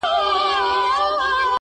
له لمبو يې تر آسمانه تلل دودونه!!